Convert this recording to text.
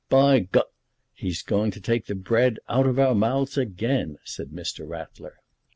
"By G ! he's going to take the bread out of our mouths again," said Mr. Ratler.